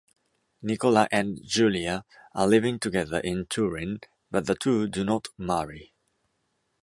Nicola and Giulia are living together in Turin, but the two do not marry.